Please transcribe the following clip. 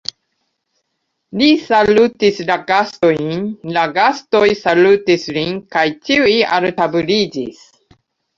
Li salutis la gastojn, la gastoj salutis lin, kaj ĉiuj altabliĝis.